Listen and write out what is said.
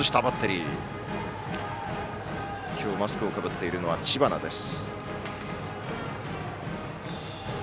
今日、マスクをかぶっているのは知花です。